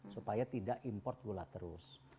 supaya tidak import gula terus